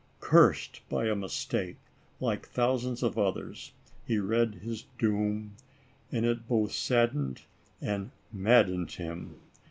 Cursed by a mistake, like thousands of others, he read his doom, and it both saddened and maddened him.